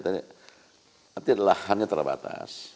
nanti lahannya terbatas